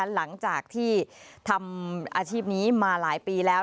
หลังจากที่ทำอาชีพนี้มาหลายปีแล้ว